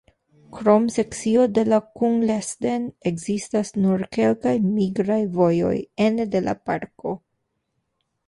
Krom sekcio de la Kungsleden ekzistas nur kelkaj migraj vojoj ene de la parko.